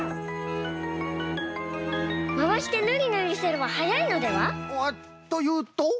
まわしてぬりぬりすればはやいのでは？というと？